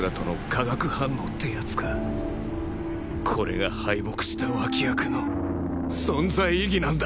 これが敗北した脇役の存在意義なんだ